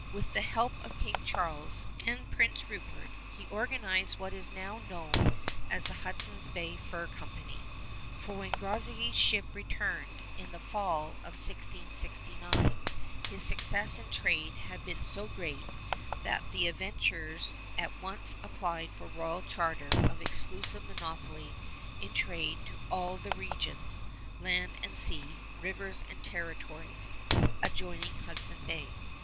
With the help of King Charles and Prince Rupert he organized what is now known as the Hudson's Bay Fur Company; for when Groseillers' ship returned in the fall of 1669, its success in trade had been so great that the Adventurers at once applied for a royal charter of exclusive monopoly in trade to all the regions, land and sea, rivers and territories, adjoining Hudson Bay.